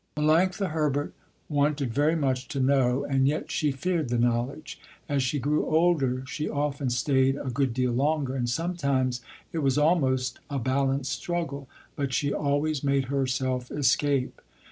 Melanctha Herbert wanted very much to know and yet she feared the knowledge. As she grew older she often stayed a good deal longer, and sometimes it was almost a balanced struggle, but she always made herself escape.